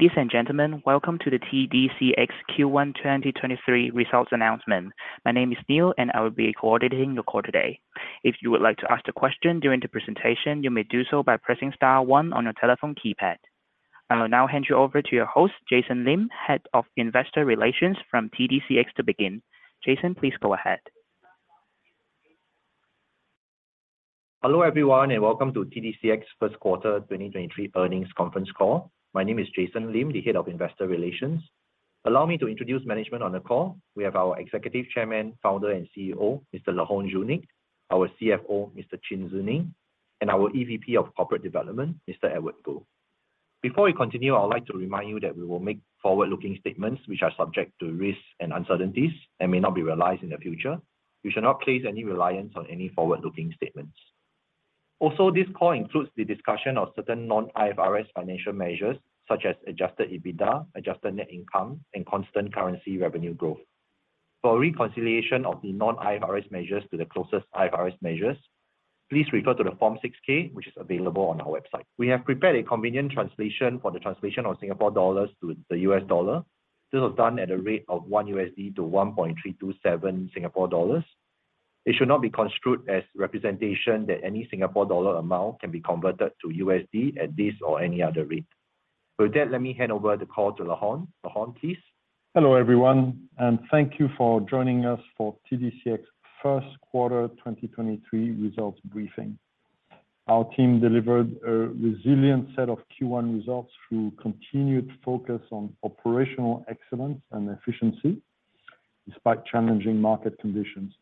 Ladies and gentlemen, welcome to the TDCX Q1 2023 results announcement. My name is Neil. I will be coordinating your call today. If you would like to ask a question during the presentation, you may do so by pressing star one on your telephone keypad. I will now hand you over to your host, Jason Lim, Head of Investor Relations from TDCX, to begin. Jason, please go ahead. Hello everyone, and welcome to TDCX 1st quarter 2023 earnings conference call. My name is Jason Lim, the Head of Investor Relations. Allow me to introduce management on the call. We have our Executive Chairman, Founder, and CEO, Mr. Laurent Junique; our CFO, Mr. Chin Tze Neng; and our EVP of Corporate Development, Mr. Edward Goh. Before we continue, I would like to remind you that we will make forward-looking statements which are subject to risks and uncertainties and may not be realized in the future. You should not place any reliance on any forward-looking statements. Also, this call includes the discussion of certain non-IFRS financial measures, such as Adjusted EBITDA, Adjusted Net Income, and constant currency revenue growth. For a reconciliation of the non-IFRS measures to the closest IFRS measures, please refer to the Form 6-K, which is available on our website. We have prepared a convenient translation for the translation of Singapore dollars to the US dollar. This was done at a rate of $1 to 1.327 Singapore dollars. It should not be construed as representation that any Singapore dollar amount can be converted to USD at this or any other rate. Let me hand over the call to Laurent. Laurent, please. Hello, everyone. Thank you for joining us for TDCX 1st quarter 2023 results briefing. Our team delivered a resilient set of Q1 results through continued focus on operational excellence and efficiency despite challenging market conditions.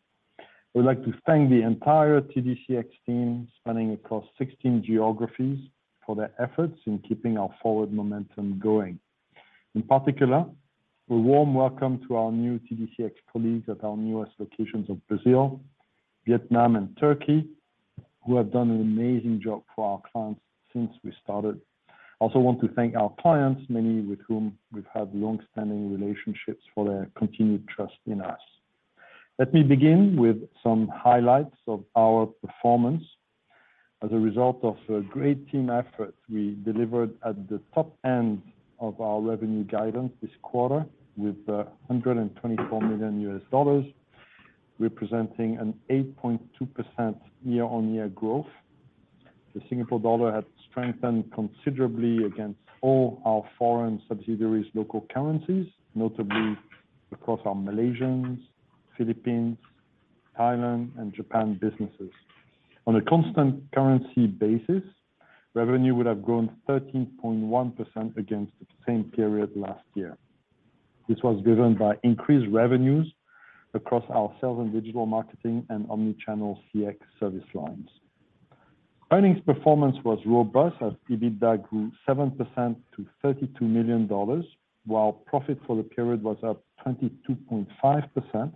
We'd like to thank the entire TDCX team, spanning across 16 geographies, for their efforts in keeping our forward momentum going. In particular, a warm welcome to our new TDCX colleagues at our newest locations of Brazil, Vietnam, and Turkey, who have done an amazing job for our clients since we started. I also want to thank our clients, many with whom we've had long-standing relationships, for their continued trust in us. Let me begin with some highlights of our performance. As a result of a great team effort, we delivered at the top end of our revenue guidance this quarter with $124 million, representing an 8.2% year-on-year growth. The Singapore dollar has strengthened considerably against all our foreign subsidiaries' local currencies, notably across our Malaysia, Philippines, Thailand, and Japan businesses. On a constant currency basis, revenue would have grown 13.1% against the same period last year. This was driven by increased revenues across our sales and digital marketing and omnichannel CX service lines. Earnings performance was robust as EBITDA grew 7% to $32 million, while profit for the period was up 22.5% to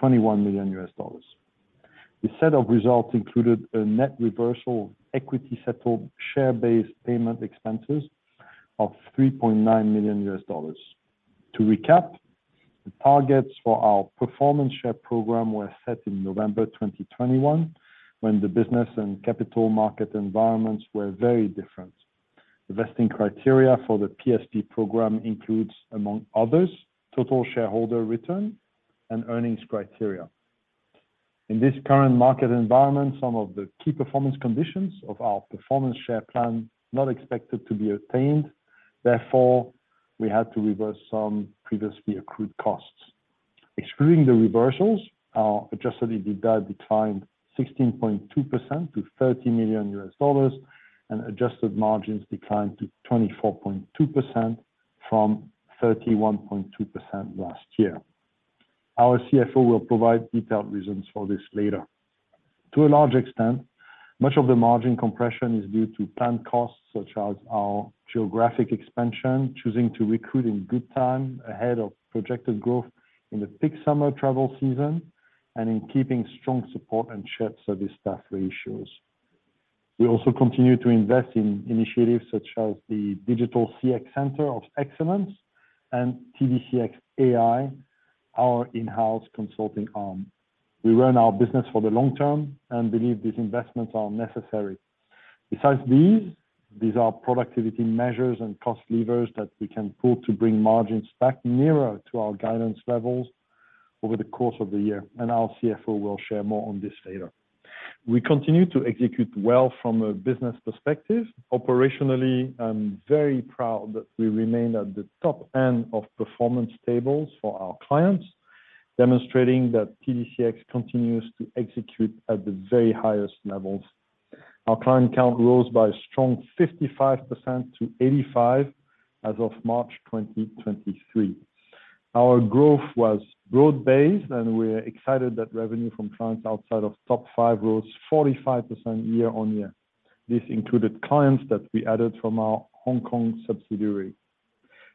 $21 million. This set of results included a net reversal equity-settled share-based payment expenses of $3.9 million. To recap, the targets for our performance share program were set in November 2021, when the business and capital market environments were very different. The vesting criteria for the PSP program includes, among others, total shareholder return and earnings criteria. In this current market environment, some of the key performance conditions of our performance share plan not expected to be obtained, therefore, we had to reverse some previously accrued costs. Excluding the reversals, our Adjusted EBITDA declined 16.2% to $30 million, and adjusted margins declined to 24.2% from 31.2% last year. Our CFO will provide detailed reasons for this later. To a large extent, much of the margin compression is due to planned costs, such as our geographic expansion, choosing to recruit in good time ahead of projected growth in the peak summer travel season, and in keeping strong support and shared service staff ratios. We also continue to invest in initiatives such as the Digital CX Center of Excellence and TDCX AI, our in-house consulting arm. We run our business for the long term and believe these investments are necessary. Besides these are productivity measures and cost levers that we can pull to bring margins back nearer to our guidance levels over the course of the year, and our CFO will share more on this later. We continue to execute well from a business perspective. Operationally, I'm very proud that we remain at the top end of performance tables for our clients, demonstrating that TDCX continues to execute at the very highest levels. Our client count rose by a strong 55% to 85 as of March 2023. Our growth was broad-based, and we are excited that revenue from clients outside of top five rose 45% year-on-year. This included clients that we added from our Hong Kong subsidiary.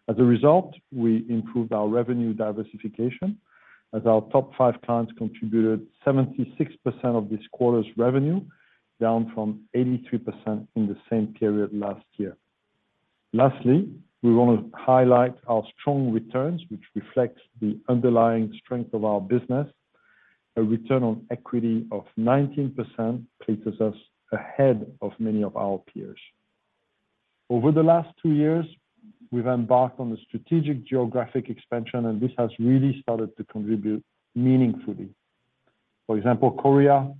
As a result, we improved our revenue diversification, as our top five clients contributed 76% of this quarter's revenue, down from 83% in the same period last year. Lastly, we want to highlight our strong returns, which reflects the underlying strength of our business. A return on equity of 19% places us ahead of many of our peers. Over the last two years, we've embarked on a strategic geographic expansion, and this has really started to contribute meaningfully. For example, Korea,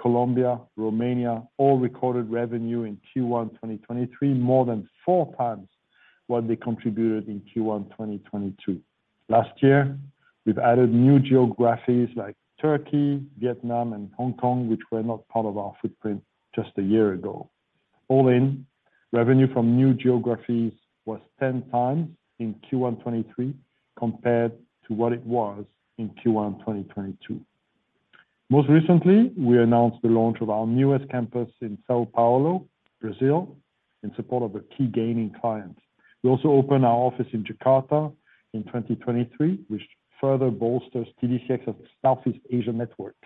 Colombia, Romania, all recorded revenue in Q1 2023, more than four times what they contributed in Q1 2022. Last year, we've added new geographies like Turkey, Vietnam and Hong Kong, which were not part of our footprint just a year ago. All in, revenue from new geographies was 10 times in Q1 2023 compared to what it was in Q1 2022. Most recently, we announced the launch of our newest campus in São Paulo, Brazil, in support of a key gaining client. We also opened our office in Jakarta in 2023, which further bolsters TDCX of Southeast Asia network.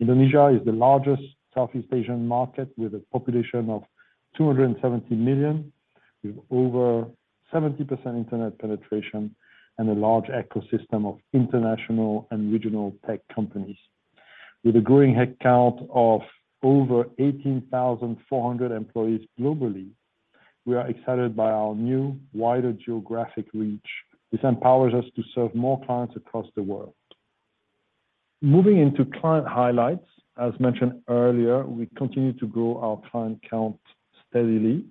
Indonesia is the largest Southeast Asian market, with a population of 270 million, with over 70% internet penetration and a large ecosystem of international and regional tech companies. With a growing headcount of over 18,400 employees globally, we are excited by our new, wider geographic reach. This empowers us to serve more clients across the world. Moving into client highlights, as mentioned earlier, we continue to grow our client count steadily.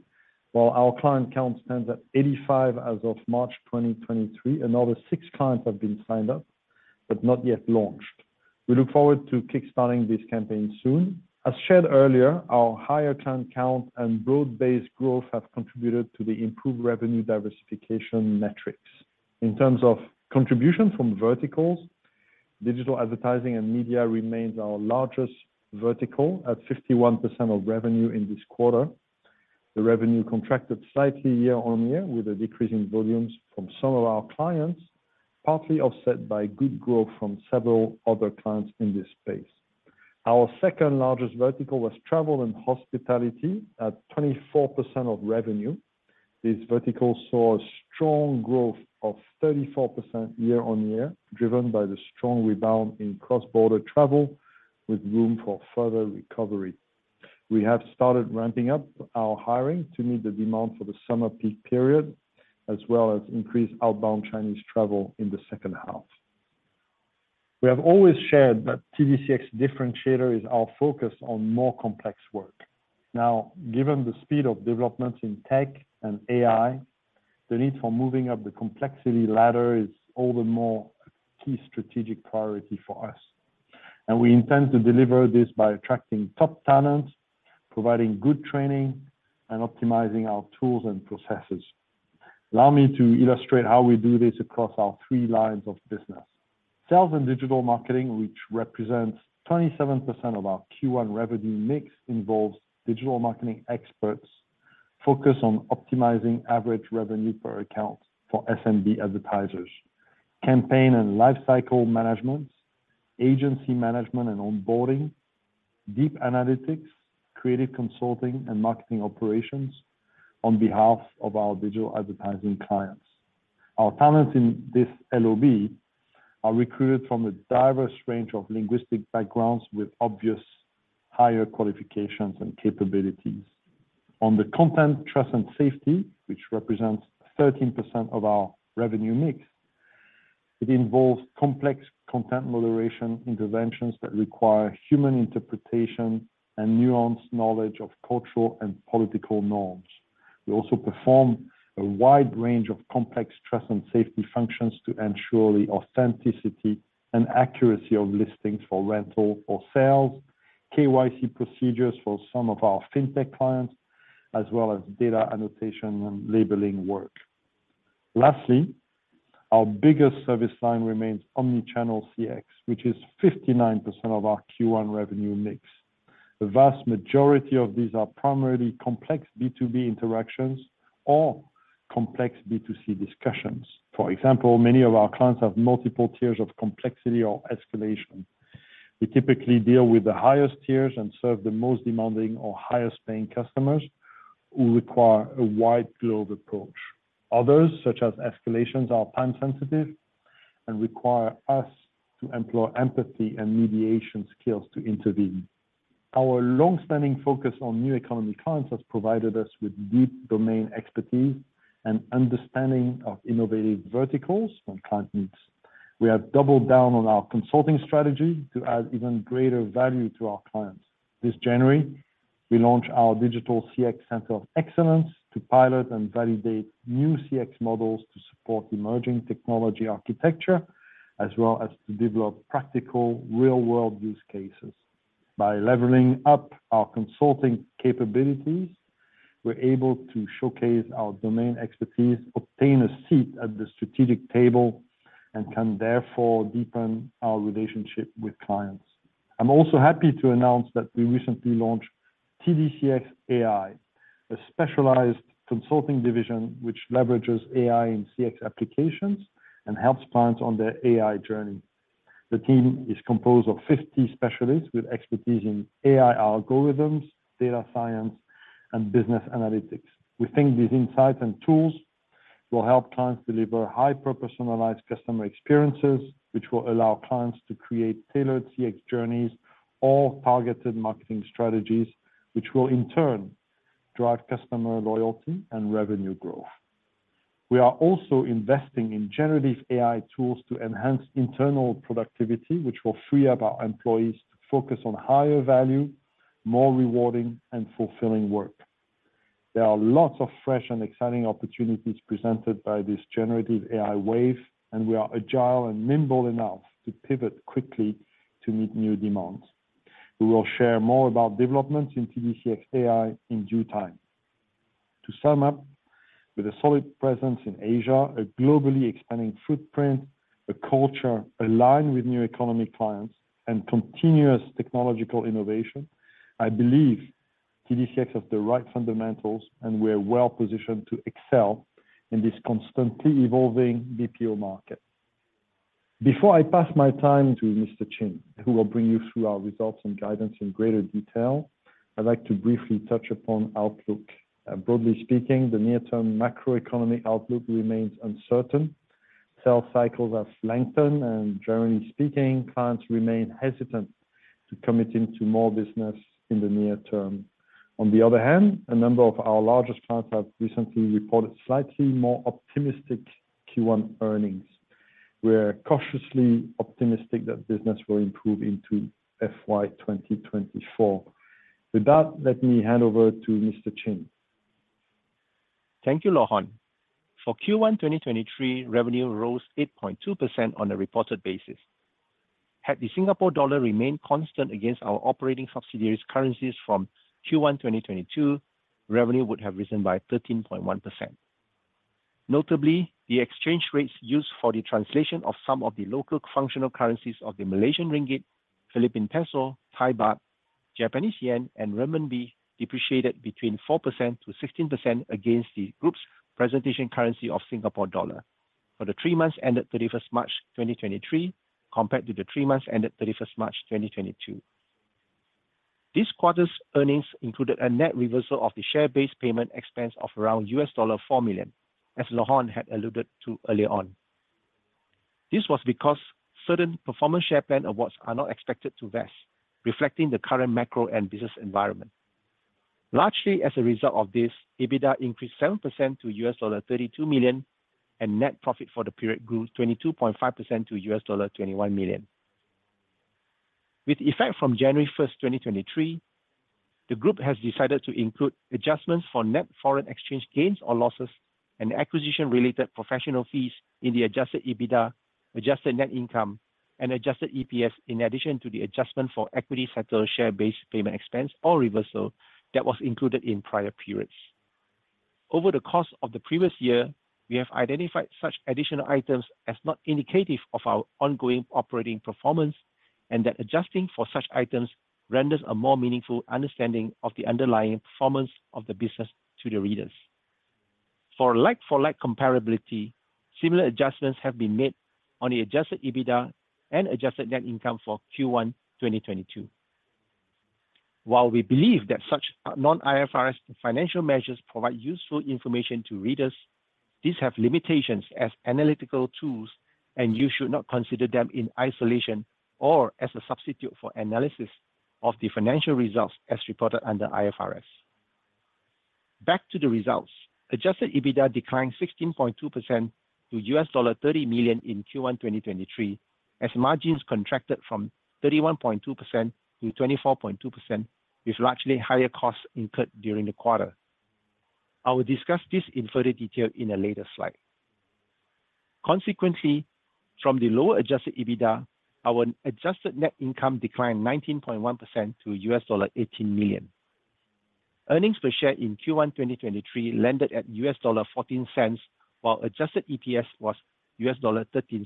While our client count stands at 85 as of March 2023, another six clients have been signed up but not yet launched. We look forward to kickstarting this campaign soon. As shared earlier, our higher client count and broad-based growth have contributed to the improved revenue diversification metrics. In terms of contribution from verticals, digital advertising and media remains our largest vertical at 51% of revenue in this quarter. The revenue contracted slightly year-on-year, with a decrease in volumes from some of our clients, partly offset by good growth from several other clients in this space. Our second-largest vertical was travel and hospitality at 24% of revenue. This vertical saw a strong growth of 34% year-on-year, driven by the strong rebound in cross-border travel, with room for further recovery. We have started ramping up our hiring to meet the demand for the summer peak period, as well as increased outbound Chinese travel in the second half. We have always shared that TDCX differentiator is our focus on more complex work. Now, given the speed of developments in tech and AI, the need for moving up the complexity ladder is all the more a key strategic priority for us. We intend to deliver this by attracting top talents, providing good training, and optimizing our tools and processes. Allow me to illustrate how we do this across our three lines of business. Sales and digital marketing, which represents 27% of our Q1 revenue mix, involves digital marketing experts focused on optimizing average revenue per account for SMB advertisers, campaign and lifecycle management, agency management and onboarding, deep analytics, creative consulting, and marketing operations on behalf of our digital advertising clients. Our talents in this LOB are recruited from a diverse range of linguistic backgrounds with obvious higher qualifications and capabilities. On the content, trust, and safety, which represents 13% of our revenue mix, it involves complex content moderation interventions that require human interpretation and nuanced knowledge of cultural and political norms. We also perform a wide range of complex trust and safety functions to ensure the authenticity and accuracy of listings for rental or sales, KYC procedures for some of our fintech clients, as well as data annotation and labeling work. Lastly, our biggest service line remains omnichannel CX, which is 59% of our Q1 revenue mix. The vast majority of these are primarily complex B2B interactions or complex B2C discussions. For example, many of our clients have multiple tiers of complexity or escalation. We typically deal with the highest tiers and serve the most demanding or highest-paying customers who require a white glove approach. Others, such as escalations, are time-sensitive and require us to employ empathy and mediation skills to intervene. Our long-standing focus on new economy clients has provided us with deep domain expertise and understanding of innovative verticals and client needs. We have doubled down on our consulting strategy to add even greater value to our clients. This January, we launched our Digital CX Center of Excellence to pilot and validate new CX models to support emerging technology architecture, as well as to develop practical, real-world use cases. By leveling up our consulting capabilities, we're able to showcase our domain expertise, obtain a seat at the strategic table, and can therefore deepen our relationship with clients. I'm also happy to announce that we recently launched TDCX AI, a specialized consulting division which leverages AI and CX applications and helps clients on their AI journey. The team is composed of 50 specialists with expertise in AI algorithms, data science, and business analytics. We think these insights and tools. will help clients deliver hyper-personalized customer experiences, which will allow clients to create tailored CX journeys or targeted marketing strategies, which will in turn drive customer loyalty and revenue growth. We are also investing in generative AI tools to enhance internal productivity, which will free up our employees to focus on higher value, more rewarding, and fulfilling work. There are lots of fresh and exciting opportunities presented by this generative AI wave, and we are agile and nimble enough to pivot quickly to meet new demands. We will share more about developments in TDCX AI in due time. To sum up, with a solid presence in Asia, a globally expanding footprint, a culture aligned with new economy clients, and continuous technological innovation, I believe TDCX has the right fundamentals, and we are well-positioned to excel in this constantly evolving BPO market. Before I pass my time to Mr. Chin, who will bring you through our results and guidance in greater detail, I'd like to briefly touch upon outlook. Broadly speaking, the near-term macroeconomic outlook remains uncertain. Sales cycles have lengthened, and generally speaking, clients remain hesitant to commit into more business in the near term. On the other hand, a number of our largest clients have recently reported slightly more optimistic Q1 earnings. We are cautiously optimistic that business will improve into FY 2024. With that, let me hand over to Mr. Chin. Thank you, Laurent. For Q1 2023, revenue rose 8.2% on a reported basis. Had the Singapore dollar remained constant against our operating subsidiaries' currencies from Q1 2022, revenue would have risen by 13.1%. Notably, the exchange rates used for the translation of some of the local functional currencies of the Malaysian ringgit, Philippine peso, Thai baht, Japanese yen, and renminbi depreciated between 4%-16% against the group's presentation currency of Singapore dollar for the three months ended 31st March 2023, compared to the three months ended 31st March 2022. This quarter's earnings included a net reversal of the share-based payment expense of around $4 million, as Laurent had alluded to earlier on. This was because certain performance share plan awards are not expected to vest, reflecting the current macro and business environment. Largely as a result of this, EBITDA increased 7% to $32 million, and net profit for the period grew 22.5% to $21 million. With effect from January 1st, 2023, the group has decided to include adjustments for net foreign exchange gains or losses and acquisition-related professional fees in the Adjusted EBITDA, Adjusted Net Income, and Adjusted EPS, in addition to the adjustment for equity-settled share-based payment expense or reversal that was included in prior periods. Over the course of the previous year, we have identified such additional items as not indicative of our ongoing operating performance, and that adjusting for such items renders a more meaningful understanding of the underlying performance of the business to the readers. For like-for-like comparability, similar adjustments have been made on the Adjusted EBITDA and Adjusted Net Income for Q1 2022. While we believe that such non-IFRS financial measures provide useful information to readers, these have limitations as analytical tools, and you should not consider them in isolation or as a substitute for analysis of the financial results as reported under IFRS. Back to the results. Adjusted EBITDA declined 16.2% to $30 million in Q1 2023, as margins contracted from 31.2% to 24.2%, with largely higher costs incurred during the quarter. I will discuss this in further detail in a later slide. Consequently, from the lower Adjusted EBITDA, our Adjusted Net Income declined 19.1% to $18 million. Earnings per share in Q1 2023 landed at $0.14, while Adjusted EPS was $0.13.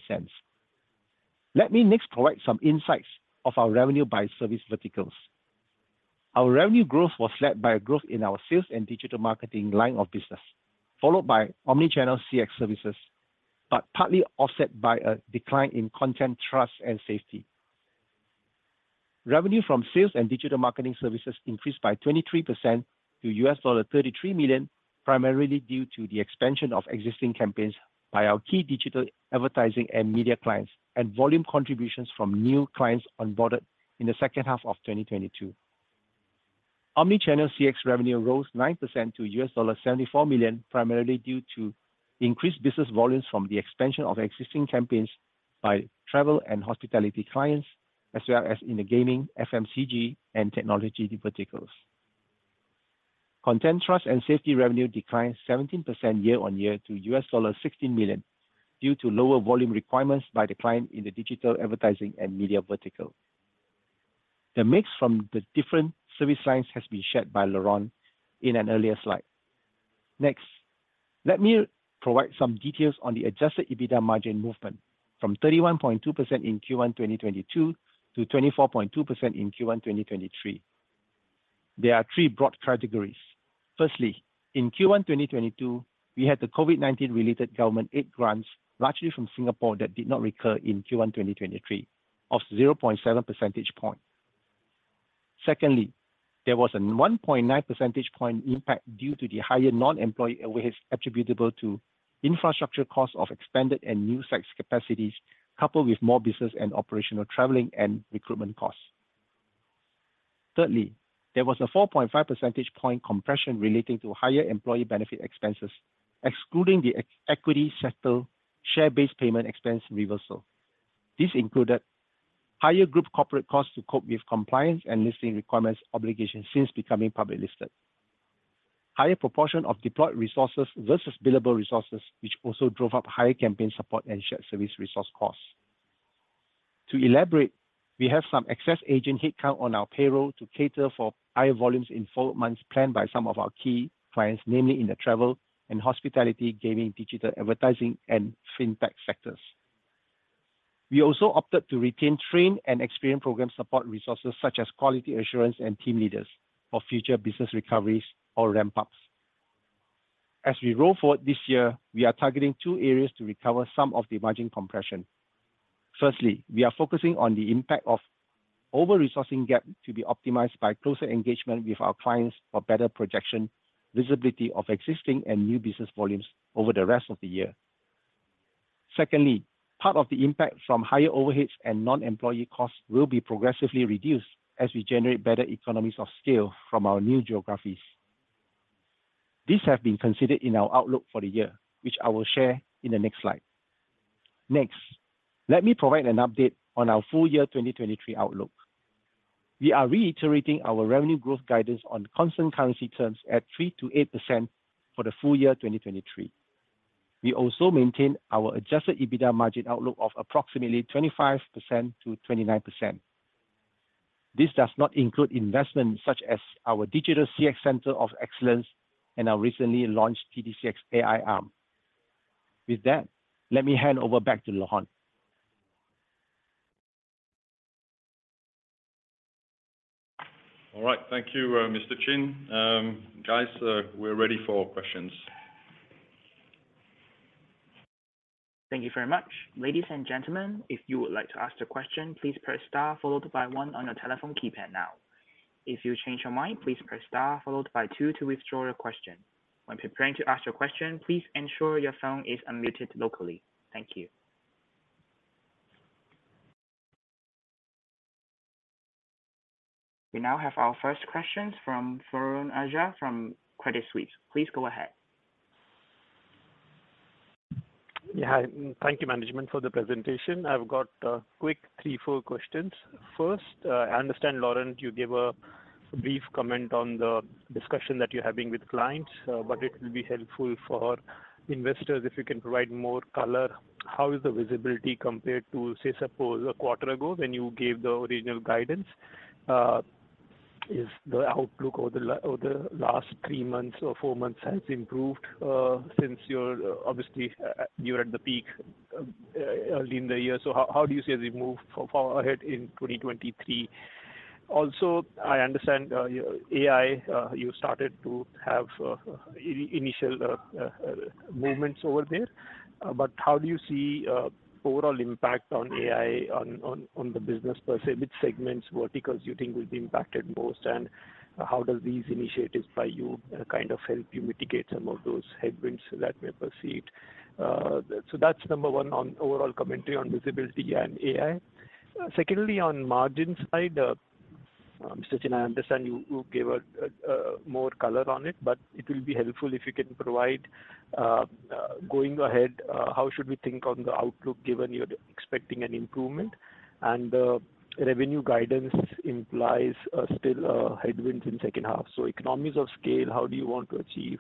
Let me next provide some insights of our revenue by service verticals. Our revenue growth was led by a growth in our sales and digital marketing line of business, followed by omnichannel CX services, partly offset by a decline in content, trust, and safety. Revenue from sales and digital marketing services increased by 23% to $33 million, primarily due to the expansion of existing campaigns by our key digital advertising and media clients, and volume contributions from new clients onboarded in the second half of 2022. Omnichannel CX revenue rose 9% to $74 million, primarily due to increased business volumes from the expansion of existing campaigns by travel and hospitality clients, as well as in the gaming, FMCG, and technology verticals. Content, trust, and safety revenue declined 17% year-on-year to $16 million due to lower volume requirements by decline in the digital advertising and media vertical. The mix from the different service lines has been shared by Laurent in an earlier slide. Let me provide some details on the Adjusted EBITDA margin movement from 31.2% in Q1 2022 to 24.2% in Q1 2023. There are three broad categories. In Q1 2022, we had the COVID-19 related government aid grants, largely from Singapore, that did not recur in Q1 2023 of 0.7 percentage point. Secondly, there was a 1.9 percentage point impact due to the higher non-employee overheads attributable to infrastructure costs of expanded and new CX capacities, coupled with more business and operational traveling and recruitment costs. Thirdly, there was a 4.5 percentage point compression relating to higher employee benefit expenses, excluding the equity-settled share-based payment expense reversal. This included higher group corporate costs to cope with compliance and listing requirements obligations since becoming public listed. Higher proportion of deployed resources versus billable resources, which also drove up higher campaign support and shared service resource costs. To elaborate, we have some excess agent headcount on our payroll to cater for higher volumes in four months planned by some of our key clients, namely in the travel and hospitality, gaming, digital advertising, and fintech sectors. We also opted to retain trained and experienced program support resources, such as quality assurance and team leaders for future business recoveries or ramp-ups. As we roll forward this year, we are targeting two areas to recover some of the margin compression. We are focusing on the impact of over-resourcing gap to be optimized by closer engagement with our clients for better projection, visibility of existing and new business volumes over the rest of the year. Part of the impact from higher overheads and non-employee costs will be progressively reduced as we generate better economies of scale from our new geographies. These have been considered in our outlook for the year, which I will share in the next slide. Let me provide an update on our full year 2023 outlook. We are reiterating our revenue growth guidance on constant currency terms at 3%-8% for the full year 2023. We also maintain our Adjusted EBITDA margin outlook of approximately 25%-29%. This does not include investments such as our Digital CX Center of Excellence and our recently launched TDCX AI arm. With that, let me hand over back to Laurent. All right. Thank you, Mr. Chin. guys, we're ready for questions. Thank you very much. Ladies and gentlemen, if you would like to ask a question, please press star followed by one on your telephone keypad now. If you change your mind, please press star followed by two to withdraw your question. When preparing to ask your question, please ensure your phone is unmuted locally. Thank you. We now have our first questions from Varun Ahuja from Credit Suisse. Please go ahead. Thank you, management, for the presentation. I've got quick three, four questions. First, I understand, Laurent, you gave a brief comment on the discussion that you're having with clients, it will be helpful for investors if you can provide more color. How is the visibility compared to, say, suppose a quarter ago, when you gave the original guidance? Is the outlook over the last three months or four months has improved since you're obviously you're at the peak early in the year? How do you see as we move for far ahead in 2023? I understand AI you started to have initial movements over there, how do you see overall impact on AI on the business per se? Which segments, verticals you think will be impacted most, and how does these initiatives by you, kind of, help you mitigate some of those headwinds that we have perceived? So that's number one on overall commentary on visibility and AI. Secondly, on margin side, Mr. Chin Tze Neng, I understand you gave a more color on it, but it will be helpful if you can provide going ahead, how should we think on the outlook, given you're expecting an improvement? The revenue guidance implies still headwinds in second half. Economies of scale, how do you want to achieve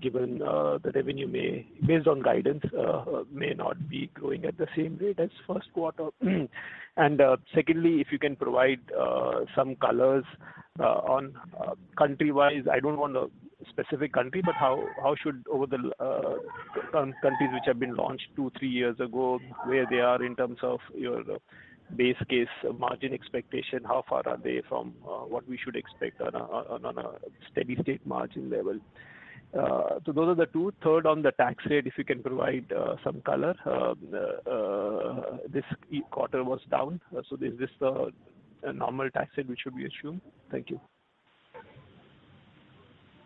given the revenue may, based on guidance, may not be growing at the same rate as first quarter? Secondly, if you can provide some colors on country-wise. I don't want a specific country, how should over the countries which have been launched two, three years ago, where they are in terms of your base case, margin expectation? How far are they from what we should expect on a steady state margin level? Those are the two. Third, on the tax rate, if you can provide some color. This quarter was down. Is this the normal tax rate which should be assumed? Thank you.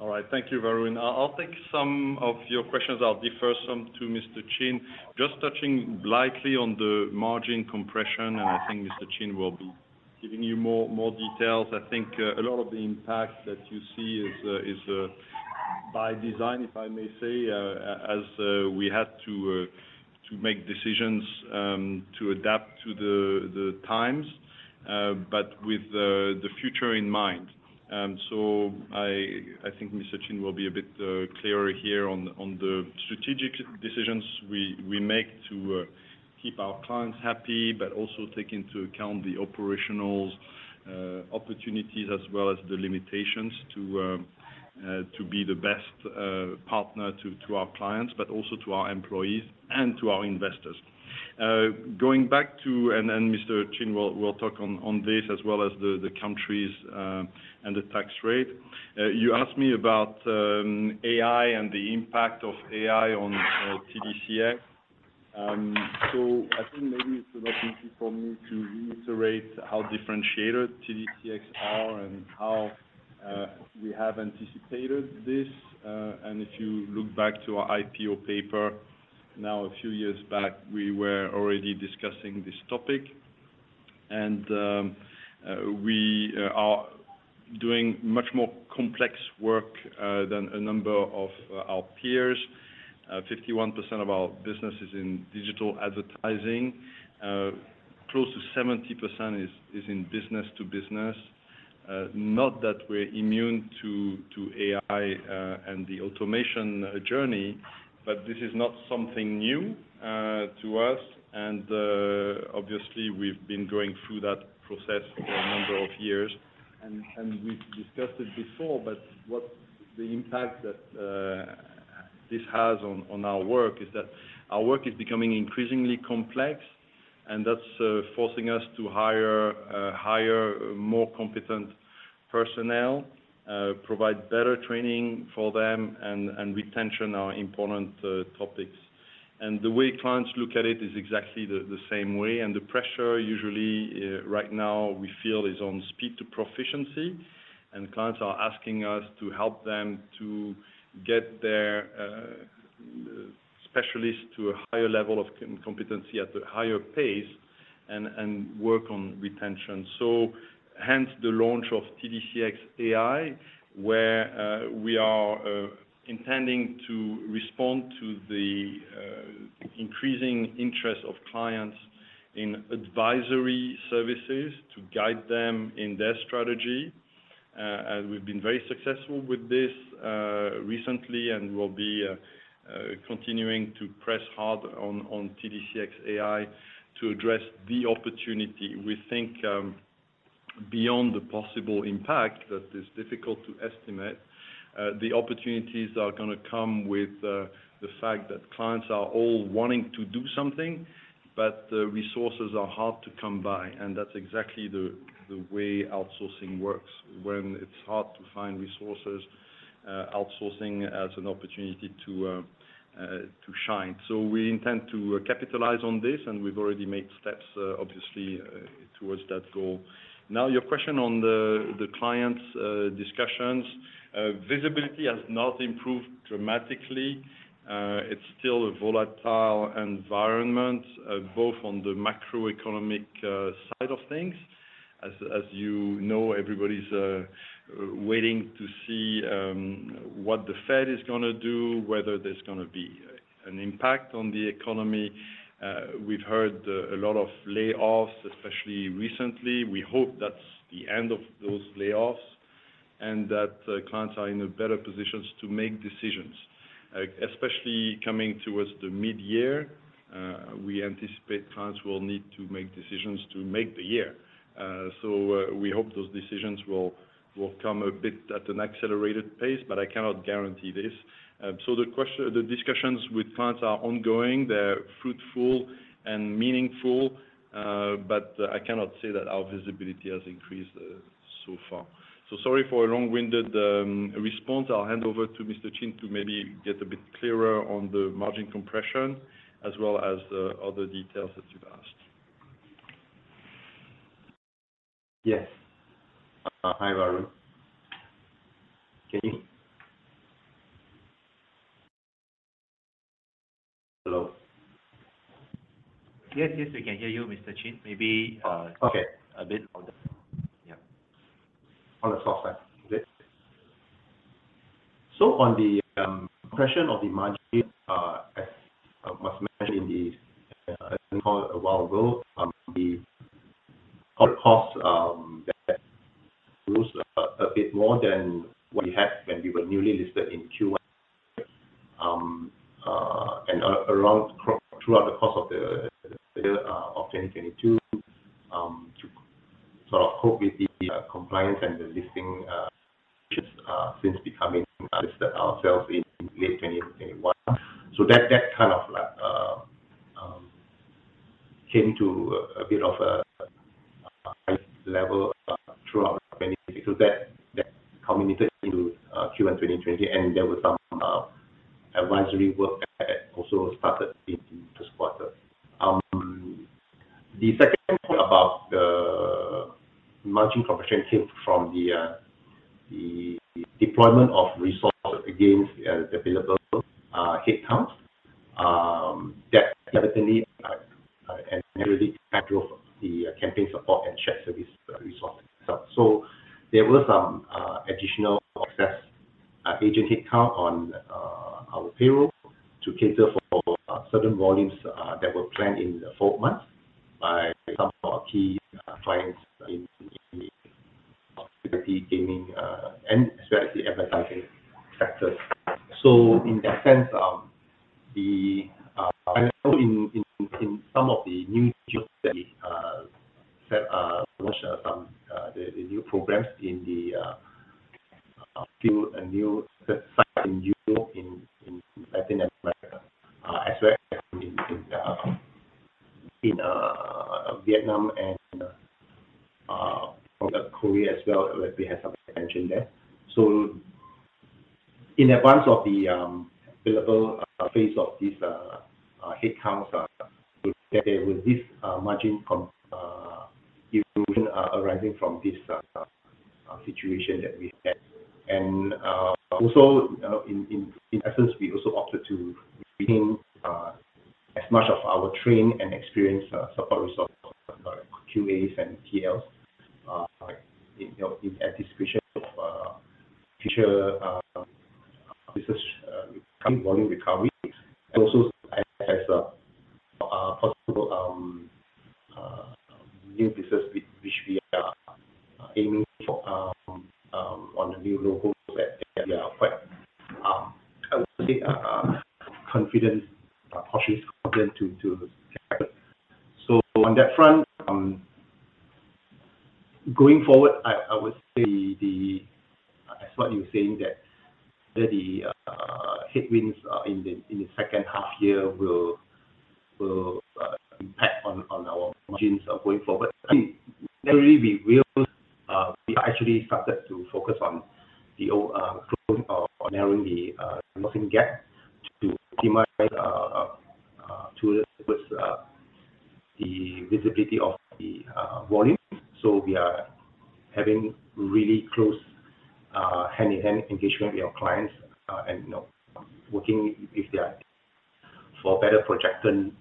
All right. Thank you, Varun. I'll take some of your questions. I'll defer some to Mr. Chin. Just touching lightly on the margin compression, and I think Mr. Chin will be giving you more details. I think a lot of the impact that you see is by design, if I may say, as we had to make decisions to adapt to the times, but with the future in mind. I think Mr. Chin will be a bit clearer here on the strategic decisions we make to keep our clients happy, but also take into account the operational opportunities as well as the limitations to be the best partner to our clients, but also to our employees and to our investors. Going back to... Mr. Chin will talk on this as well as the countries and the tax rate. You asked me about AI and the impact of AI on TDCX. I think maybe it's not easy for me to reiterate how differentiated TDCX are and how we have anticipated this. If you look back to our IPO paper, now a few years back, we were already discussing this topic. We are doing much more complex work than a number of our peers. 51% of our business is in digital advertising. Close to 70% is in business to business. Not that we're immune to AI and the automation journey, but this is not something new to us. Obviously, we've been going through that process for a number of years, and we've discussed it before, but what the impact that this has on our work is that our work is becoming increasingly complex, and that's forcing us to hire more competent personnel, provide better training for them, and retention are important topics. The way clients look at it is exactly the same way, and the pressure, usually, right now, we feel is on speed to proficiency. Clients are asking us to help them to get their specialists to a higher level of competency at a higher pace and work on retention. Hence the launch of TDCX AI, where we are intending to respond to the increasing interest of clients in advisory services to guide them in their strategy. We've been very successful with this recently, and we'll be continuing to press hard on TDCX AI to address the opportunity. We think, beyond the possible impact that is difficult to estimate, the opportunities are gonna come with the fact that clients are all wanting to do something, but the resources are hard to come by, and that's exactly the way outsourcing works. When it's hard to find resources, outsourcing has an opportunity to shine. We intend to capitalize on this, and we've already made steps, obviously, towards that goal. Your question on the clients' discussions. Visibility has not improved dramatically. It's still a volatile environment, both on the macroeconomic side of things. You know, everybody's waiting to see what the Fed is gonna do, whether there's gonna be an impact on the economy. We've heard a lot of layoffs, especially recently. We hope that's the end of those layoffs and that clients are in a better position to make decisions. Especially coming towards the mid-year, we anticipate clients will need to make decisions to make the year. We hope those decisions will come a bit at an accelerated pace, but I cannot guarantee this. The discussions with clients are ongoing. They're fruitful and meaningful, but I cannot say that our visibility has increased so far. Sorry for a long-winded response. I'll hand over to Mr. Chin to maybe get a bit clearer on the margin compression, as well as the other details that you've asked. Yes. Hi, Varun. Hello? Yes, we can hear you, Mr. Chin. Maybe. Okay. A bit on the. Yeah. On the software. Okay. On the compression of the margin, as I must mention in a while ago, the cost that goes a bit more than what we had when we were newly listed in Q1. Around throughout the course of 2022, to sort of cope with the compliance and the listing, since becoming listed ourselves in late 2021. That, that kind of like came to a bit of a high level throughout 2022. That, that culminated into Q1 2020, and there was some advisory work that also started in the first quarter. The second point about the margin compression came from the deployment of resources against the available headcounts. That definitely, and really the campaign support and chat service resources. There were some additional process agent headcount on our payroll to cater for certain volumes that were planned in the fourth month by some of our key clients in gaming and especially advertising sectors. In that sense, in some of the new fields that we set launch some the new programs in a few new site in Europe, in Latin America, as well as in Vietnam from the Korea as well, we have some expansion there. In advance of the available phase of this headcounts, that there was this margin evolution arising from this situation that we had. Also in essence, we also opted to retain as much of our trained and experienced support resources, like QAs and PLs, you know, in anticipation of future business coming volume recovery, and also as possible new business, which we are aiming for on the new logos that we are quite, I would say, confident, cautious confident to capture. On that front, going forward, I would say the, as what you're saying, that the headwinds in the second half year will impact on our margins going forward. I think generally, we will, we actually started to focus on the closing or narrowing the gap to optimize with the visibility of the volume. We are having really close hand-in-hand engagement with our clients, and, you know, working with them for better projection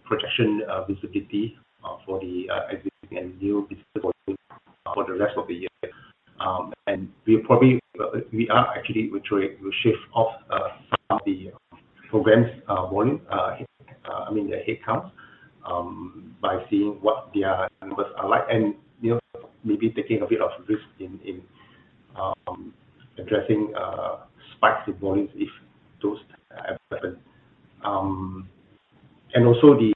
visibility for the existing and new business volume for the rest of the year. We probably, we are actually will try to shift off some of the programs volume, I mean, the headcount, by seeing what their numbers are like, and, you know, maybe taking a bit of risk in addressing spikes in volumes if those happen. Also, the overheads and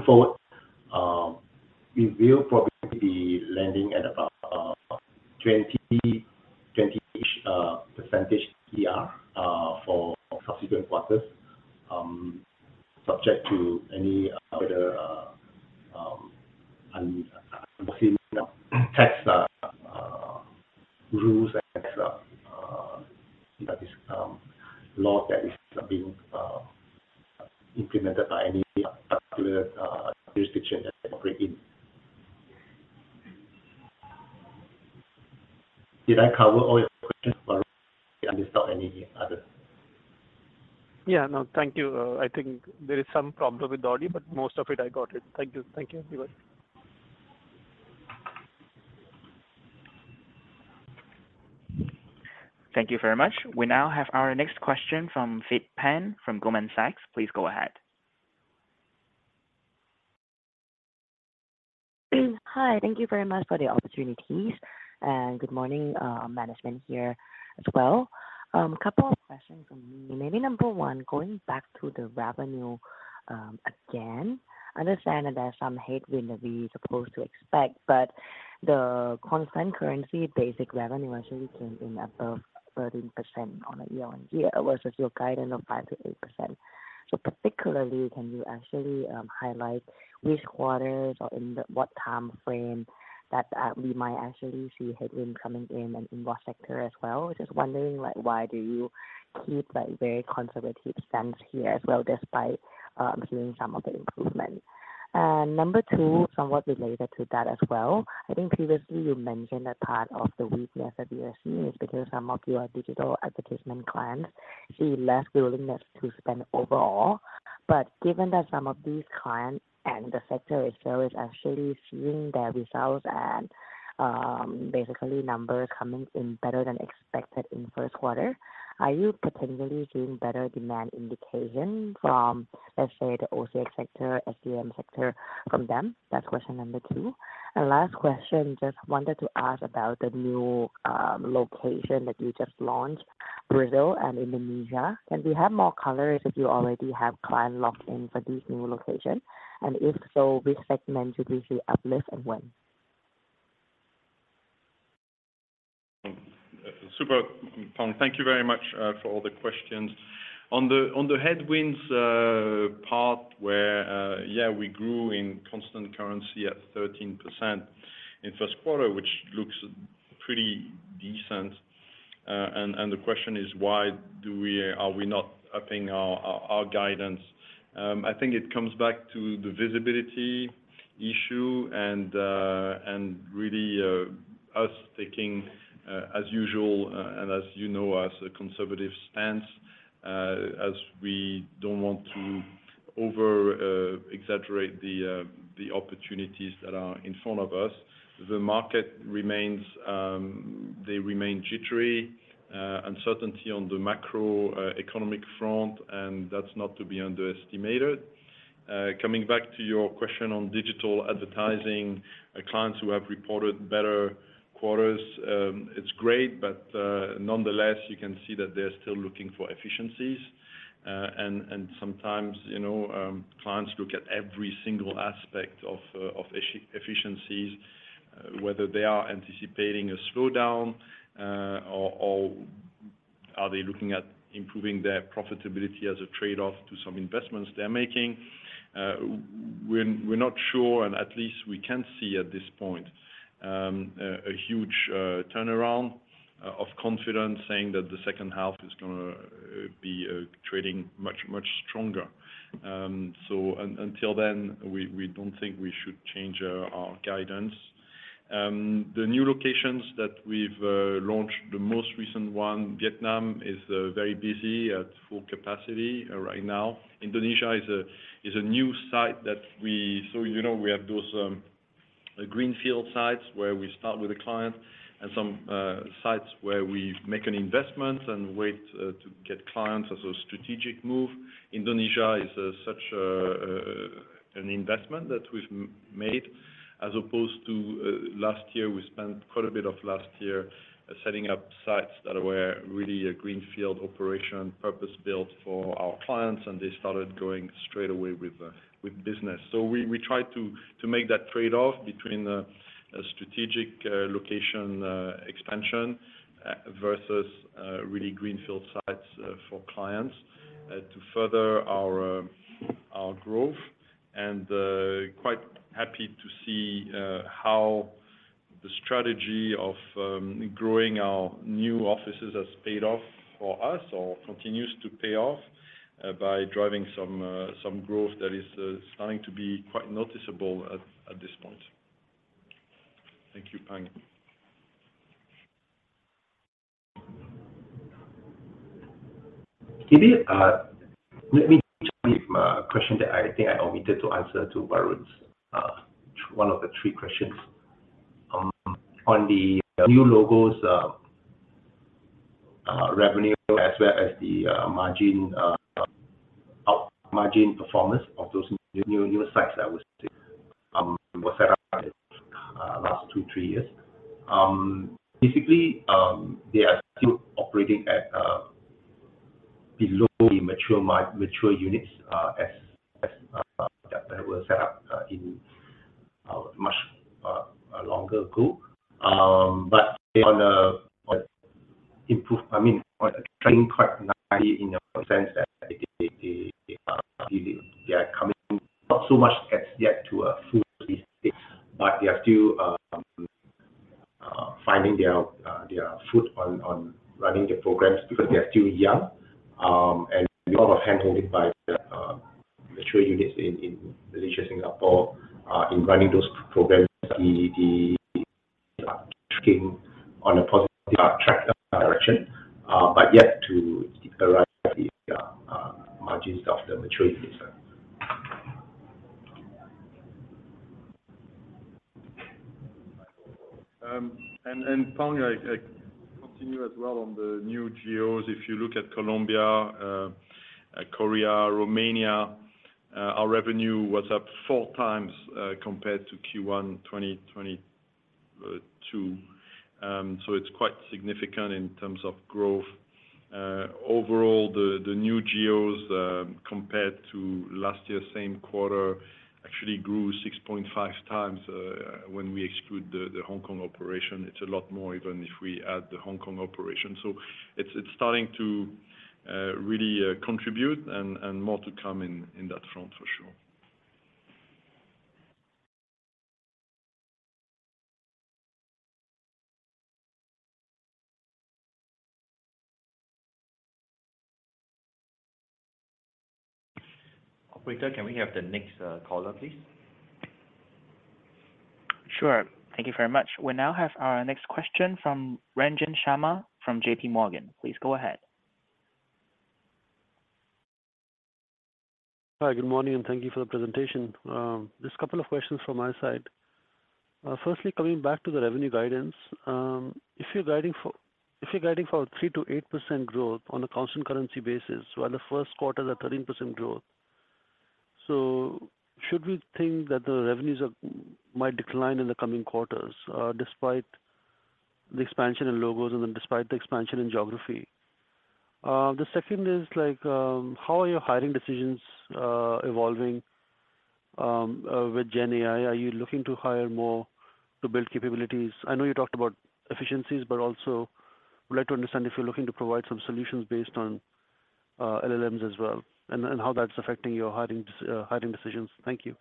probably jump into that question first. There was this tax in one of the business units in Europe from the tax calculation that we made arising from some projection of the profitability of that business unit, as well as to a certain extent, the absence of the prosperity tax that happened in Malaysia in 2022, that did not happen in 2023. Going forward, we will probably be landing at about 20-ish % TR for subsequent quarters, subject to any whether tax rules and that is law that is being implemented by any jurisdiction that we operate in. Did I cover all your questions, Varun? I missed out any other? Yeah. No, thank you. I think there is some problem with the audio, but most of it, I got it. Thank you. Thank you, everybody. Thank you very much. We now have our next question from Pang Vitt, from Goldman Sachs. Please go ahead. Hi. Thank you very much for the opportunities, and good morning, management here as well. A couple of questions from me. Maybe number one, going back to the revenue, again, I understand that there's some headwind that we supposed to expect, but the constant currency basic revenue actually came in above 13% on a year-on-year versus your guidance of 5%-8%. Particularly, can you actually highlight which quarters or in the what time frame that we might actually see headwind coming in and in what sector as well? Just wondering, like, why do you keep, like, very conservative stance here as well, despite seeing some of the improvement. Number two, somewhat related to that as well. I think previously you mentioned that part of the weakness of the SC is because some of your digital advertisement clients see less willingness to spend overall. Given that some of these clients and the sector itself is actually seeing their results and basically numbers coming in better than expected in first quarter, are you potentially seeing better demand indication from, let's say, the OCX sector, SDM sector from them? That's question number two. Last question, just wanted to ask about the new location that you just launched, Brazil and Indonesia. Can we have more color if you already have client locked in for these new locations? And if so, which segment should we see uplift and when? Super, Pang. Thank you very much for all the questions. On the headwinds part where, yeah, we grew in constant currency at 13% in first quarter, which looks pretty decent. The question is: Why do we, are we not upping our, our guidance? I think it comes back to the visibility issue and really us taking as usual and as you know, as a conservative stance, as we don't want to over exaggerate the opportunities that are in front of us. The market remains... they remain jittery, uncertainty on the macroeconomic front, and that's not to be underestimated. Coming back to your question on digital advertising, clients who have reported better quarters, it's great, nonetheless, you can see that they're still looking for efficiencies. Sometimes, you know, clients look at every single aspect of efficiencies, whether they are anticipating a slowdown, or are they looking at improving their profitability as a trade-off to some investments they're making? We're not sure, and at least we can see at this point, a huge turnaround of confidence, saying that the second half is gonna be trading much, much stronger. Until then, we don't think we should change our guidance. The new locations that we've launched, the most recent one, Vietnam, is very busy, at full capacity, right now. Indonesia is a new site that we. you know, we have those greenfield sites where we start with a client and some sites where we make an investment and wait to get clients as a strategic move. Indonesia is such a an investment that we've made, as opposed to last year. We spent quite a bit of last year setting up sites that were really a greenfield operation, purpose-built for our clients, and they started going straight away with business. we try to make that trade-off between a strategic location expansion versus really greenfield sites for clients to further our growth. quite happy to see how the strategy of growing our new offices has paid off for us or continues to pay off by driving some growth that is starting to be quite noticeable at this point. Thank you, Pang. Did it, Let me, a question that I think I omitted to answer to Varun's, one of the three questions. On the new logos, revenue as well as the margin performance of those new sites that were set up last two, three years. Basically, they are still operating at below the mature units, as that were set up in much longer ago. They are I mean, on tracking quite nicely in a sense that they are coming not so much as yet to a full state, but they are still finding their foot on running the programs because they are still young. A lot of handholding by the mature units in Malaysia, Singapore, in running those programs, the tracking on a positive track direction, but yet to arrive at the margins of the mature units. Pang, I continue as well on the new geos. If you look at Colombia, Korea, Romania, our revenue was up four times compared to Q1 2022. It's quite significant in terms of growth. Overall, the new geos, compared to last year, same quarter, actually grew 6.5x when we exclude the Hong Kong operation. It's a lot more even if we add the Hong Kong operation. It's starting to really contribute and more to come in that front for sure. Operator, can we have the next caller, please? Sure. Thank you very much. We now have our next question from Ranjan Sharma from JPMorgan. Please go ahead. Hi, good morning, thank you for the presentation. Just a couple of questions from my side. Firstly, coming back to the revenue guidance, if you're guiding for a 3%-8% growth on a constant currency basis, while the first quarter is a 13% growth, should we think that the revenues are, might decline in the coming quarters, despite the expansion in logos and then despite the expansion in geography? The second is like, how are your hiring decisions evolving with GenAI? Are you looking to hire more to build capabilities? I know you talked about efficiencies, but also would like to understand if you're looking to provide some solutions based on LLMs as well, and how that's affecting your hiring decisions. Thank you.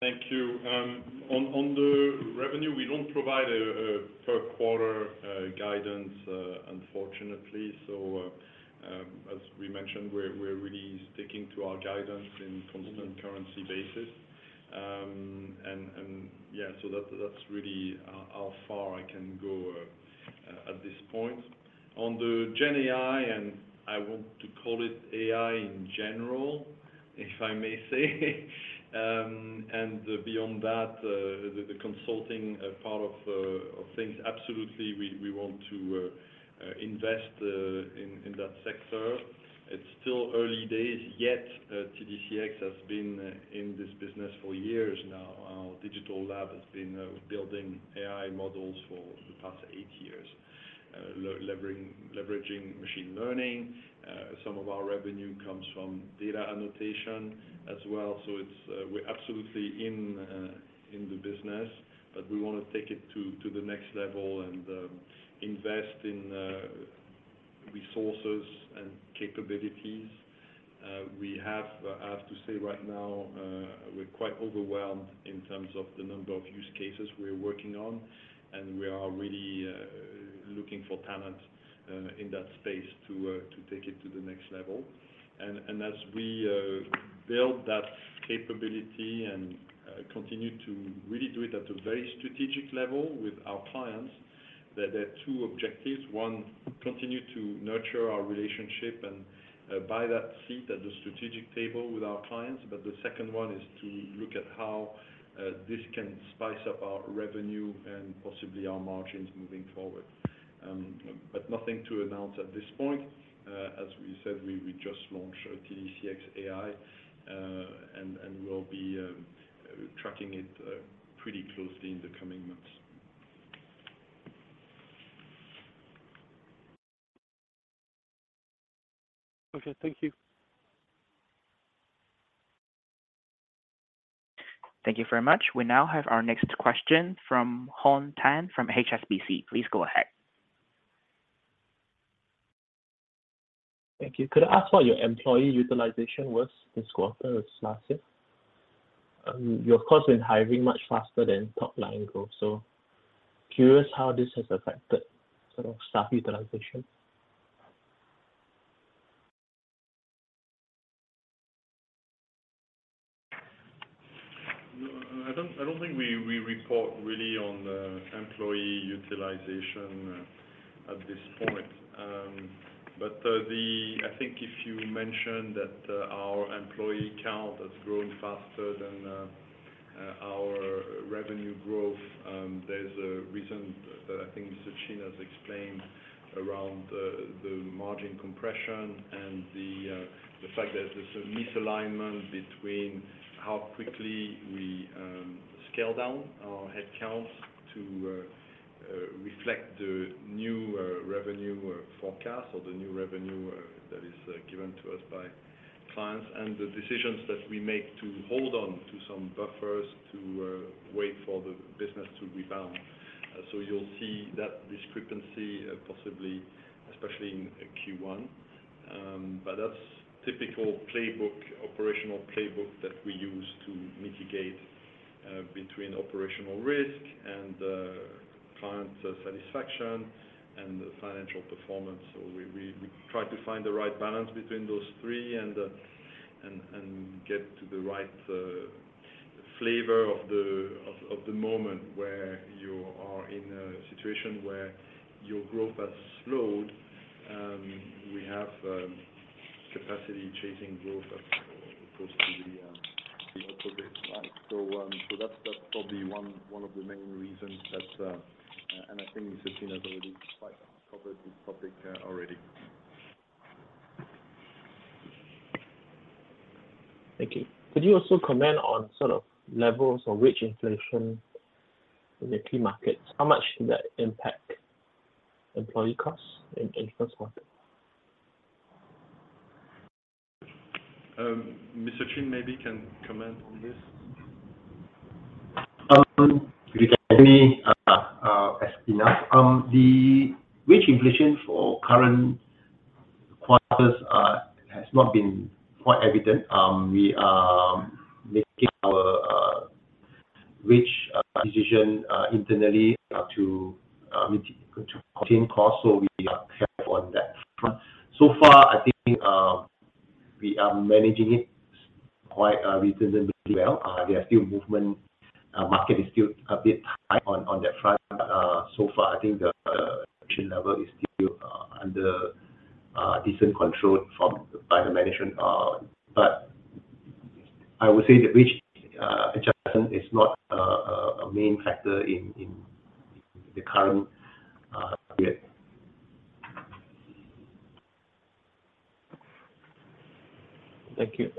Thank you. On the revenue, we don't provide a per quarter guidance, unfortunately. As we mentioned, we're really sticking to our guidance in constant currency basis. And yeah, so that's really how far I can go at this point. On the GenAI, and I want to call it AI in general, if I may say. Beyond that, the consulting part of things, absolutely, we want to invest in that sector. It's still early days, yet, TDCX has been in this business for years now. Our Digital Innovation Lab has been building AI models for the past eight years, leveraging machine learning. Some of our revenue comes from data annotation as well. It's, we're absolutely in the business, but we want to take it to the next level and invest in resources and capabilities. We have, I have to say right now, we're quite overwhelmed in terms of the number of use cases we're working on, and we are really looking for talent in that space to take it to the next level. As we build that capability and continue to really do it at a very strategic level with our clients, there are two objectives. One, continue to nurture our relationship and buy that seat at the strategic table with our clients. The second one is to look at how this can spice up our revenue and possibly our margins moving forward. Nothing to announce at this point. As we said, we just launched a TDCX AI, and we'll be tracking it pretty closely in the coming months. Okay, thank you. Thank you very much. We now have our next question from Han Tan, from HSBC. Please go ahead. Thank you. Could I ask what your employee utilization was this quarter as massive? You, of course, been hiring much faster than top-line growth, so curious how this has affected sort of staff utilization? I don't, I don't think we report really on employee utilization at this point. The... I think if you mentioned that our employee count has grown faster than our revenue growth, there's a reason that I think Mr. Chin has explained around the margin compression and the fact that there's a misalignment between how quickly we scale down our headcounts to reflect the new revenue forecast or the new revenue that is given to us by clients, and the decisions that we make to hold on to some buffers to wait for the business to rebound. You'll see that discrepancy possibly, especially in Q1. That's typical playbook, operational playbook, that we use to mitigate between operational risk, and client satisfaction, and financial performance. We try to find the right balance between those three and get to the right flavor of the moment where you are in a situation where your growth has slowed. We have capacity chasing growth across the output base, right? That's probably one of the main reasons that. I think Mr. Chin has already quite covered this topic already. Thank you. Could you also comment on sort of levels or wage inflation in the key markets? How much did that impact employee costs in first quarter? Mr. Chin, maybe can comment on this. You can hear me enough. The wage inflation for current quarters has not been quite evident. We are making our wage decision internally to contain costs, so we are ahead on that front. So far, I think we are managing it quite reasonably well. There are still movement. Market is still a bit high on that front. So far, I think the level is still under decent control by the management. I would say the wage adjustment is not a main factor in the current period. Thank you.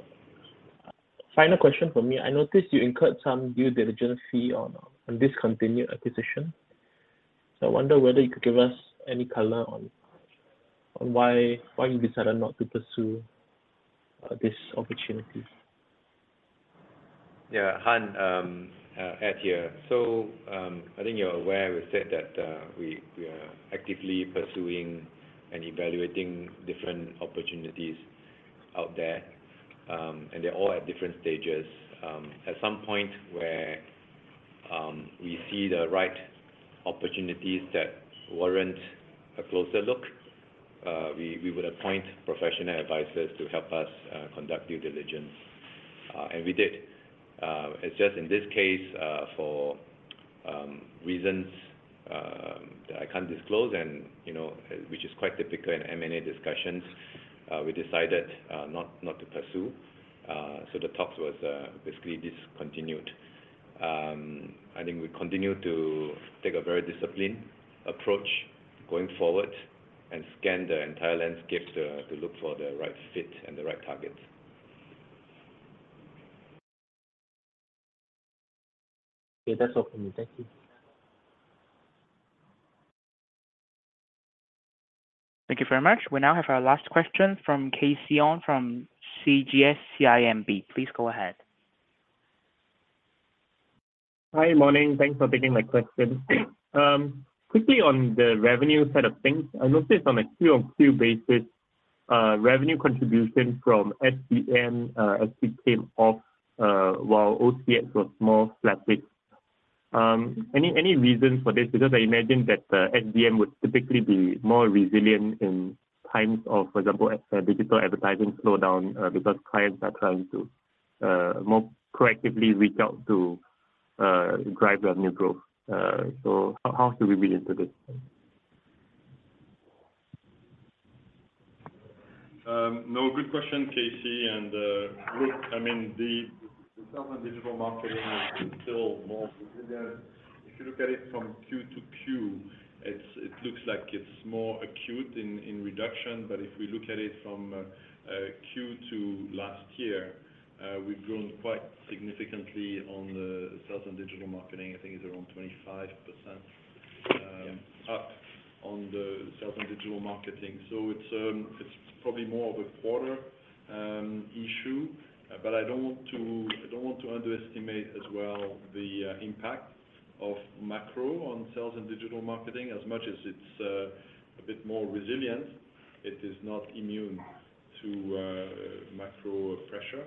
Final question from me. I noticed you incurred some due diligence fee on a discontinued acquisition. I wonder whether you could give us any color on why you decided not to pursue this opportunity? Yeah, Han, Ed here. I think you're aware we said that we are actively pursuing and evaluating different opportunities out there, and they're all at different stages. At some point where we see the right opportunities that warrant a closer look, we would appoint professional advisors to help us conduct due diligence, and we did. It's just in this case, for reasons that I can't disclose and, you know, which is quite typical in M&A discussions, we decided not to pursue. The talks was basically discontinued. I think we continue to take a very disciplined approach going forward and scan the entire landscape to look for the right fit and the right target. Okay, that's all for me. Thank you. Thank you very much. We now have our last question from KC Ong, from CGS-CIMB. Please go ahead. Hi, morning. Thanks for taking my question. Quickly on the revenue side of things, I noticed on a Q-on-Q basis, revenue contribution from SDM actually came off, while OCX was more flatbed. Any reason for this? Because I imagine that SDM would typically be more resilient in times of, for example, a digital advertising slowdown, because clients are trying to more proactively reach out to drive revenue growth. How should we read into this? No, good question, KC. Look, I mean, the sales and digital marketing is still more... If you look at it from Q to Q, it looks like it's more acute in reduction, but if we look at it from Q2 last year, we've grown quite significantly on the sales and digital marketing. I think it's around 25%. Yeah Up on the sales and digital marketing. It's probably more of a quarter issue. I don't want to underestimate as well, the impact of macro on sales and digital marketing. As much as it's a bit more resilient, it is not immune to macro pressure,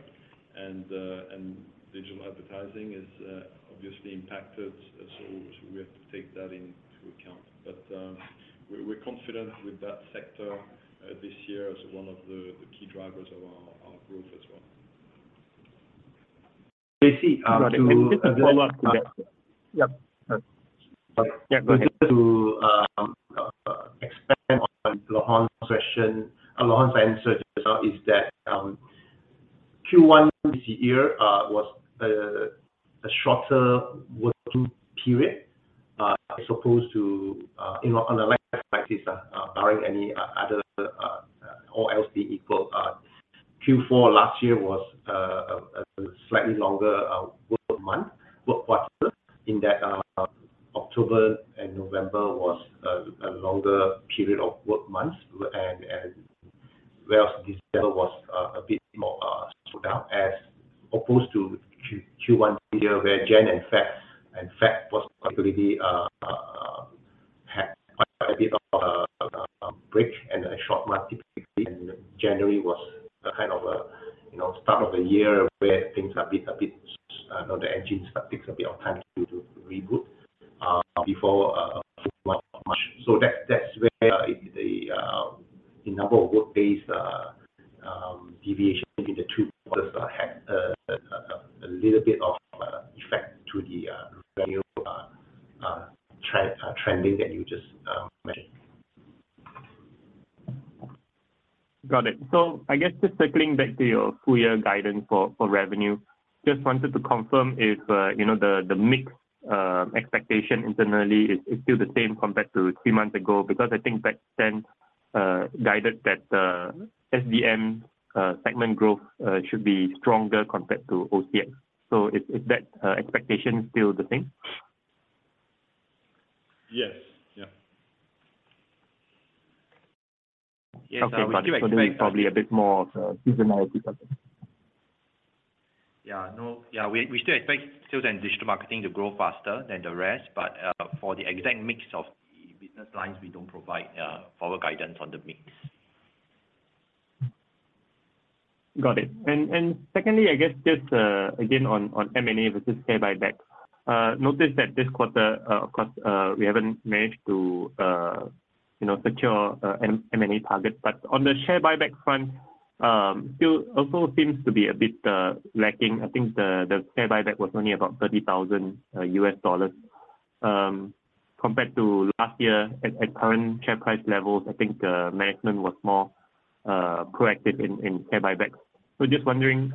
and the digital advertising is obviously impacted, we have to take that into account. We're confident with that sector this year as one of the key drivers of our growth as well. KC, to follow up to that. Yep. Go ahead. To expand on Laurent's question, Laurent's answer just now, is that Q1 this year was a shorter working period as opposed to, you know, on a life practice, barring any other or else equal. Q4 last year was a slightly longer work month, work quarter, in that October and November was a longer period of work months, and whereas December was a bit more slowed down, as opposed to Q1 this year, where Jan and Feb, and Feb was probably had quite a bit of break and a short month, typically. January was a kind of a, you know, start of the year where things are a bit... The engines takes a bit of time to reboot before March. That's where the number of work-based deviation in the two quarters had a little bit of effect to the new trend trending that you just mentioned. Got it. I guess just circling back to your full year guidance for revenue. Just wanted to confirm if, you know, the mix expectation internally is still the same compared to three months ago? I think back then, guided that SDM segment growth should be stronger compared to OCX. Is that expectation still the same? Yes. Yeah. Yes. Okay, got it. This is probably a bit more of a seasonality type thing. Yeah. No, yeah, we still expect sales and digital marketing to grow faster than the rest, but for the exact mix of the business lines, we don't provide forward guidance on the mix. Got it. Secondly, I guess just again, on M&A versus share buyback. Noticed that this quarter, of course, we haven't managed to secure an M&A target. But on the share buyback front, still also seems to be a bit lacking. I think the share buyback was only about $30,000, compared to last year. At current share price levels, I think the management was more proactive in share buybacks. So just wondering,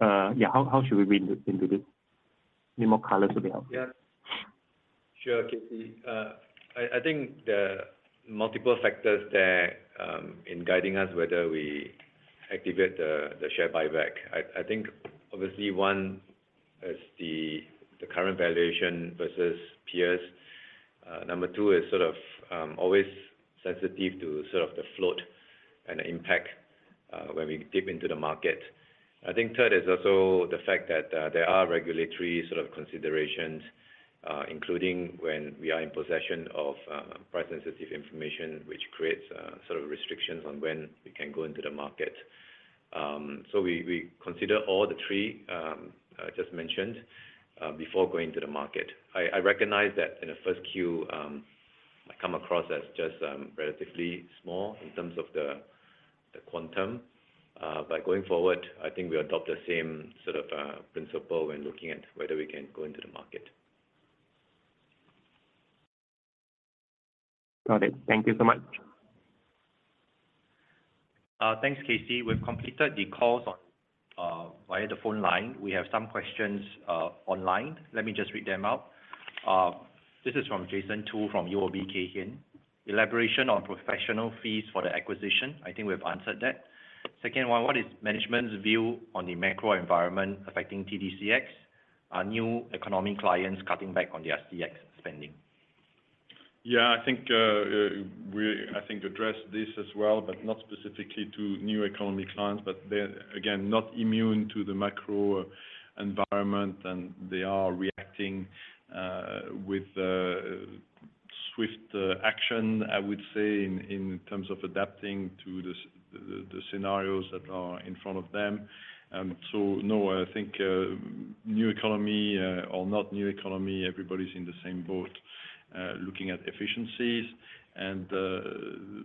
how should we read into this? Any more colors would be helpful. Yeah. Sure, KC. I think there are multiple factors there, in guiding us, whether we activate the share buyback. I think, obviously, one is the current valuation versus peers. Number two is sort of always sensitive to sort of the float and the impact. When we dip into the market. I think third is also the fact that there are regulatory sort of considerations, including when we are in possession of price-sensitive information, which creates sort of restrictions on when we can go into the market. We, we consider all the three just mentioned before going to the market. I recognize that in the first Q, I come across as just relatively small in terms of the quantum. Going forward, I think we adopt the same sort of principle when looking at whether we can go into the market. Got it. Thank you so much. Thanks, KC. We've completed the calls via the phone line. We have some questions online. Let me just read them out. This is from Jason Chiu from UOB Kay Hian. Elaboration on professional fees for the acquisition. I think we've answered that. Second one, what is management's view on the macro environment affecting TDCX? Are new economy clients cutting back on the SDM spending? Yeah, I think, we, I think, addressed this as well, but not specifically to new economy clients. They're, again, not immune to the macro environment, and they are reacting, with swift action, I would say, in terms of adapting to the scenarios that are in front of them. No, I think, new economy, or not new economy, everybody's in the same boat, looking at efficiencies and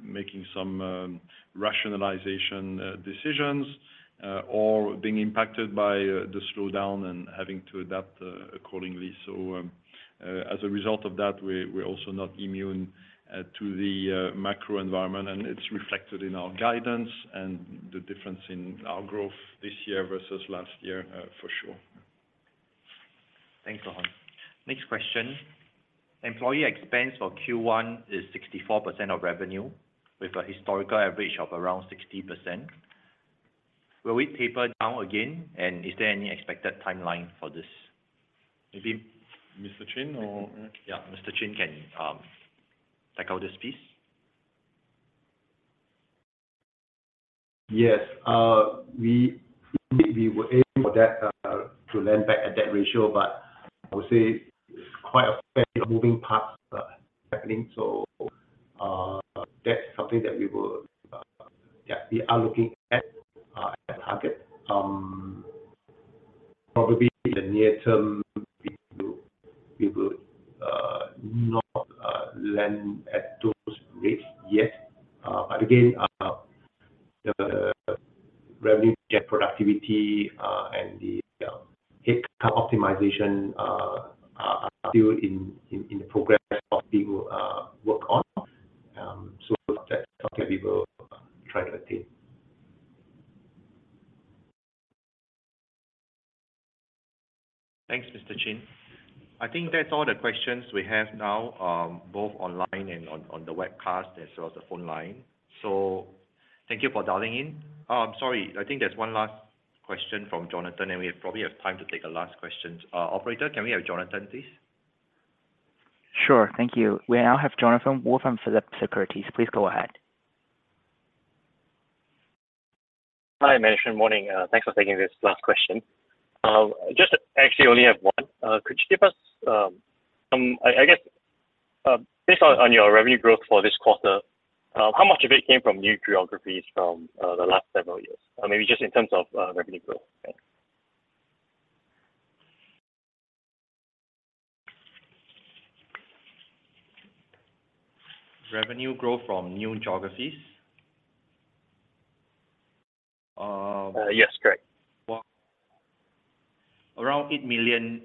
making some rationalization decisions, or being impacted by the slowdown and having to adapt accordingly. As a result of that, we're also not immune to the macro environment, and it's reflected in our guidance and the difference in our growth this year versus last year, for sure. Thanks, Johan. Next question: Employee expense for Q1 is 64% of revenue, with a historical average of around 60%. Will it taper down again, and is there any expected timeline for this? Maybe Mr. Chin. Yeah, Mr. Chin can take out this piece. We were aiming for that to land back at that ratio, but I would say it's quite a fast-moving part happening. That's something that we will, yeah, we are looking at as a target. Probably in the near term, we will not land at those rates yet. Again, the revenue, get productivity, and the head count optimization are still in progress of we will work on. That's something we will try to attain. Thanks, Mr. Chin. I think that's all the questions we have now, both online and on the webcast, as well as the phone line. Thank you for dialing in. Oh, I'm sorry. I think there's one last question from Jonathan, and we probably have time to take a last question. Operator, can we have Jonathan, please? Sure. Thank you. We now have Jonathan Woo from Phillip Securities. Please go ahead. Hi, management. Morning. Thanks for taking this last question. Just actually only have one. Could you give us some I guess based on your revenue growth for this quarter, how much of it came from new geographies from the last several years? Maybe just in terms of revenue growth. Thanks. Revenue growth from new geographies? Yes, correct. Around $8 million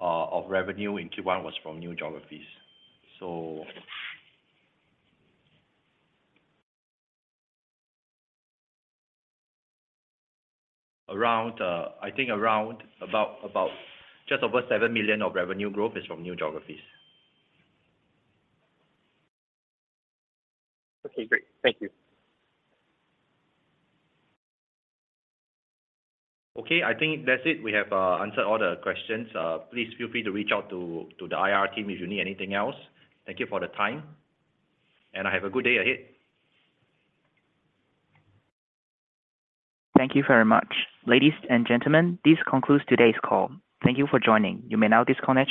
of revenue in Q1 was from new geographies. Around just over $7 million of revenue growth is from new geographies. Okay, great. Thank you. Okay, I think that's it. We have answered all the questions. Please feel free to reach out to the IR team if you need anything else. Thank you for the time, and have a good day ahead. Thank you very much. Ladies and gentlemen, this concludes today's call. Thank you for joining. You may now disconnect.